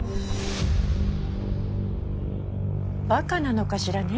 バカなのかしらね